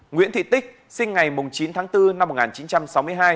nguyễn thị tích sinh ngày chín tháng bốn năm một nghìn chín trăm sáu mươi hai